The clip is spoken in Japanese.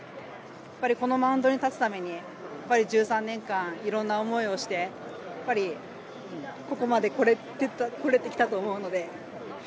このマウンドに立つために１３年間いろんな思いをしてここまでこれたと思うので。